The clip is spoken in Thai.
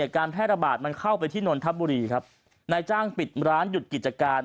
การแพร่ระบาดมันเข้าไปที่นนทบุรีครับนายจ้างปิดร้านหยุดกิจการ